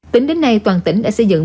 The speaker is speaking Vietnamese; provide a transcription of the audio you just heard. tính đến nay toàn tỉnh đã xây dựng